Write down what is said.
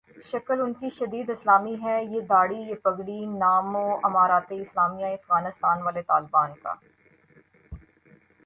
شکل انکی شدید اسلامی ہے ، یہ دھاڑی ، یہ پگڑی ، نام امارت اسلامیہ افغانستان والے طالبان کا ۔